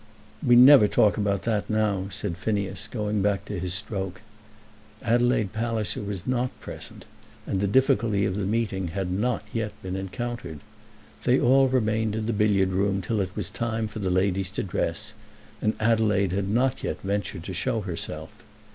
"We never talk about that now," said Phineas, going back to his stroke. Adelaide Palliser was not present, and the difficulty of the meeting had not yet been encountered. They all remained in the billiard room till it was time for the ladies to dress, and Adelaide had not yet ventured to show herself.